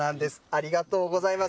ありがとうございます。